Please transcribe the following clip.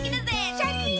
シャキン！